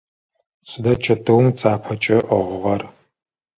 Сыда чэтыум цапэкӏэ ыӏыгъыгъэр?